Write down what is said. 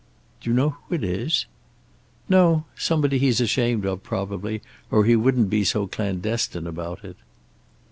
"Do you know who it is?" "No. Somebody's he's ashamed of, probably, or he wouldn't be so clandestine about it."